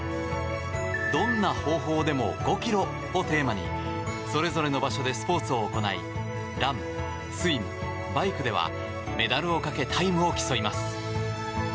どんな方法でも５キロをテーマにそれぞれの場所でスポーツを行いラン、スイム、バイクではメダルをかけタイムを競います。